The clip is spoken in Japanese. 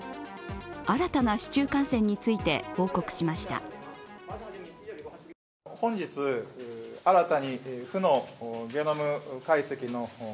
新たな市中感染について報告しました。